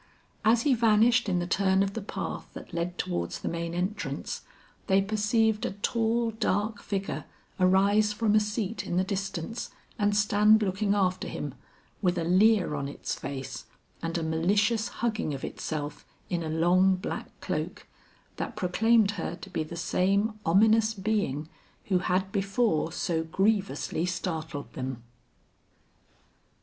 As he vanished in the turn of the path that led towards the main entrance, they perceived a tall dark figure arise from a seat in the distance and stand looking after him, with a leer on its face and a malicious hugging of itself in a long black cloak, that proclaimed her to be the same ominous being who had before so grievously startled them.